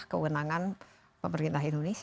kewenangan pemerintah indonesia